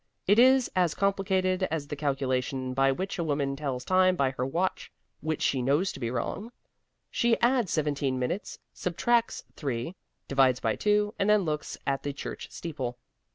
It is as complicated as the calculation by which a woman tells time by her watch which she knows to be wrong she adds seventeen minutes, subtracts three, divides by two and then looks at the church steeple.